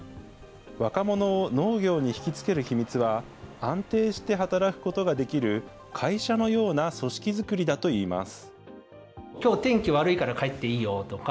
若者を農業に引き付ける秘密は、安定して働くことができる、会社のような組織作りだといいます。